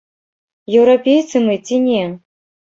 Еўрапейцы мы ці не?